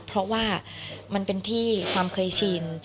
เพราะว่ามันเป็นที่ความเคยชิน